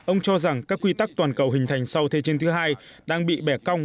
ông cho rằng các quy tắc toàn cầu hình thành sau thế chiến thứ hai đang bị bẻ cong